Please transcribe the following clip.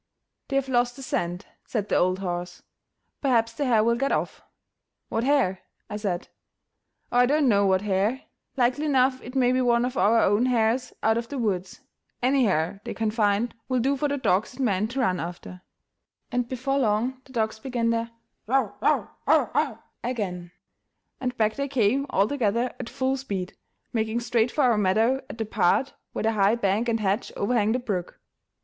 "They have lost the scent," said the old horse; "perhaps the hare will get off." "What hare?" I said. "Oh, I don't know what hare; likely enough it may be one of our own hares out of the woods; any hare they can find will do for the dogs and men to run after"; and before long the dogs began their "yo; yo, o, o!" again, and back they came all together at full speed, making straight for our meadow at the part where the high bank and hedge overhang the brook.